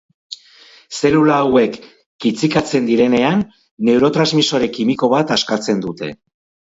Zelula hauek kitzikatzen direnean, neurotransmisore kimiko bat askatzen dute.